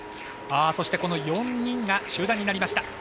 ４人が集団になりました。